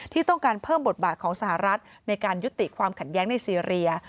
ที่ต้องการเพิ่มบทบาทของสหรัฐในการยุติความขัดแย้งในซีเรีย